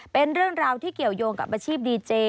เป็นเรื่องราวที่เกี่ยวยงกับอาชีพดีเจ